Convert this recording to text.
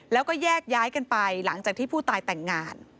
แล้วก็แยกย้ายกันไปหลังจากที่ผู้ตายแต่งงาน